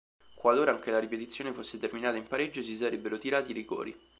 Qualora anche la ripetizione fosse terminata in pareggio si sarebbero tirati i rigori.